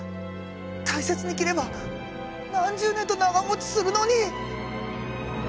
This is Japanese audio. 大切に着れば何十年と長もちするのに。